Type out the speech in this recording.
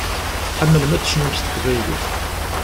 Tḥemmlem ad tecnum s teqbaylit.